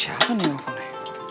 siapa nih yang nelfonnya